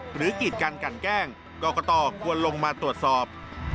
หรือกิจการกันแกล้งก็ก็ต่อกวนลงมาตรวจสอบ